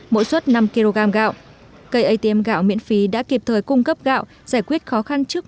mỗi suất năm kg gạo cây atm gạo miễn phí đã kịp thời cung cấp gạo giải quyết khó khăn trước